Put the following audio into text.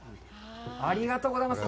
ありがとうございます。